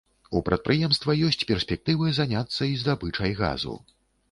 У прадпрыемства ёсць перспектывы заняцца і здабычай газу.